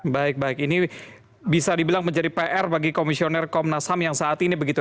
baik baik ini bisa dibilang menjadi pr bagi komisioner komnas ham yang saat ini begitu